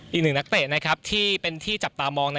อีกหนึ่งนักเตะที่เป็นที่จับตามอง